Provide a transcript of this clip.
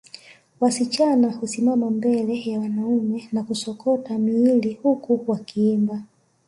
Wasichana husimama mbele ya wanaume na kusokota miili huku wakiimba